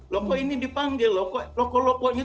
loh kok ini dipanggil loh kok loh koknya